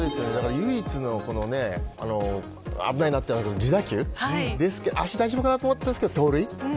唯一の危ないのは自打球足、大丈夫かなと思ったんですけど、盗塁。